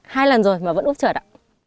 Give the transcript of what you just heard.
hai lần rồi mà vẫn úp chợt ạ